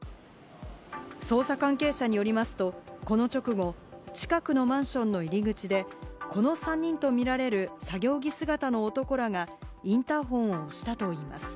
捜査関係者によりますと、この直後、近くのマンションの入り口で、この３人とみられる作業着姿の男らがインターホンを押したということです。